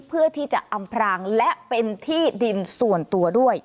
เพื่อที่จะอำพรางและเป็นที่ดินส่วนตัวด้วย